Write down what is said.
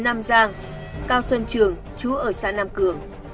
nam giang cao xuân trường chú ở xã nam cường